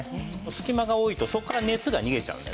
隙間が多いとそこから熱が逃げちゃうんでね。